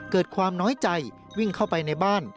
เกิดความน้อยใจวิ่งเข้าไปในบ้าน